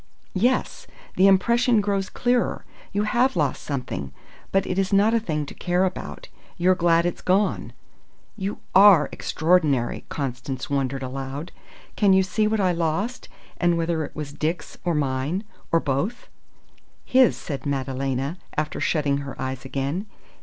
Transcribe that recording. Yes! The impression grows clearer. You have lost something. But it is not a thing to care about. You're glad it's gone." "You are extraordinary!" Constance wondered aloud. "Can you see what I lost and whether it was Dick's or mine, or both?" "His," said Madalena, after shutting her eyes again.